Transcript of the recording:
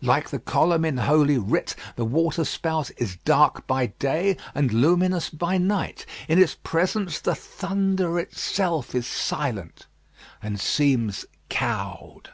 Like the column in Holy Writ, the waterspout is dark by day and luminous by night. In its presence the thunder itself is silent and seems cowed.